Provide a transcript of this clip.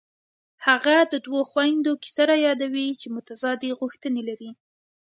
هغه د دوو خویندو کیسه رایادوي چې متضادې غوښتنې لري